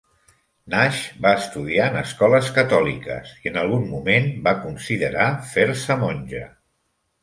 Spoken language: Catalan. Nash va estudiar en escoles catòliques, i en algun moment va considerar fer-se monja.